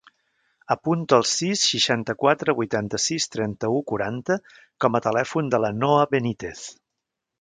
Apunta el sis, seixanta-quatre, vuitanta-sis, trenta-u, quaranta com a telèfon de la Noa Benitez.